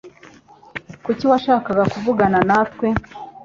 Kuki washakaga kuvugana natwe?